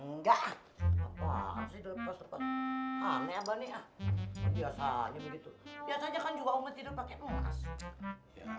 nggak apaan sih dilepas lepas aneh abah nih biasanya begitu